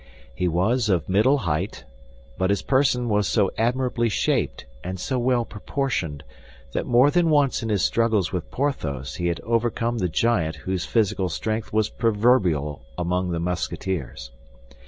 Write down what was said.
He was of middle height; but his person was so admirably shaped and so well proportioned that more than once in his struggles with Porthos he had overcome the giant whose physical strength was proverbial among the Musketeers.